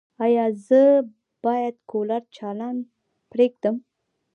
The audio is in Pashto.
ایا زه باید کولر چالانه پریږدم؟